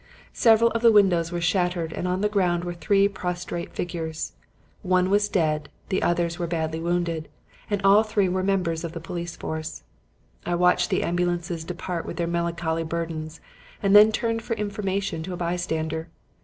Several of the windows were shattered and on the ground were three prostrate figures. One was dead, the others were badly wounded, and all three were members of the police force. "I watched the ambulances depart with their melancholy burdens and then turned for information to a bystander.